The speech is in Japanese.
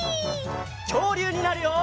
きょうりゅうになるよ！